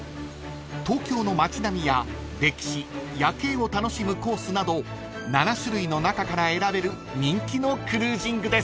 ［東京の街並みや歴史夜景を楽しむコースなど７種類の中から選べる人気のクルージングです］